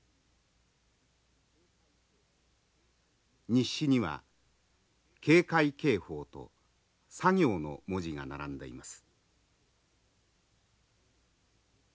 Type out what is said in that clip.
日誌には「警戒警報」と「作業」の文字が並んでいます。